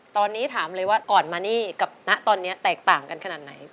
ตอนนี้ถามเลยว่าก่อนมานี่กับณตอนนี้แตกต่างกันขนาดไหน